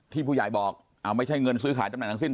ที่ผู้ใหญ่บอกไม่ใช่เงินซุ้ยขาดจำหนังทั้งสิ้น